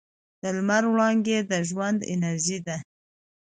د لمر وړانګې د ژوند انرژي ده.